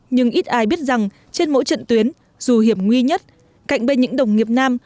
nhưng ít ai biết rằng trên mỗi trận tuyến dù hiểm nguy nhất cạnh bên những đồng nghiệp nam